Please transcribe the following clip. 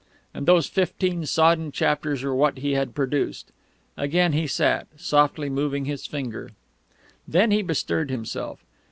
And those fifteen sodden chapters were what he had produced! Again he sat, softly moving his finger.... Then he bestirred himself.